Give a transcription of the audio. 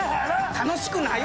楽しくないわ